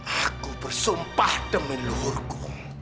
aku bersumpah demi luhurku